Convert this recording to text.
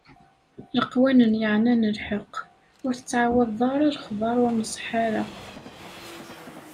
Leqwanen yeɛnan lḥeqq: ur tettɛawadeḍ ara lexbaṛ ur nṣeḥḥa ara.